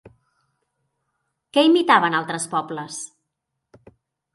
Què imitaven altres pobles?